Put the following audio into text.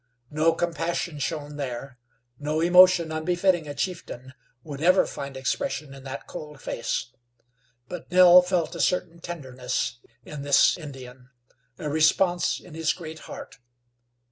No compassion shone there; no emotion unbefitting a chieftain would ever find expression in that cold face, but Nell felt a certain tenderness in this Indian, a response in his great heart.